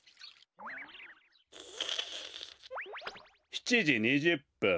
７じ２０ぷん。